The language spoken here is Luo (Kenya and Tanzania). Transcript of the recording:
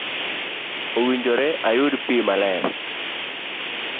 owinjore ayud pi maler.